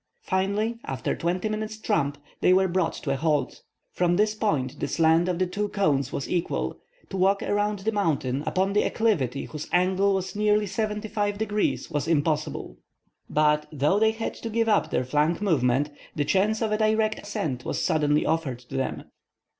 Finally, after twenty minutes tramp, they were brought to a halt. From this point the slant of the two cones was equal. To walk around the mountain upon an acclivity whose angle was nearly seventy five degrees was impossible. But though they had to give up their flank movement, the chance of a direct ascent was suddenly offered to them.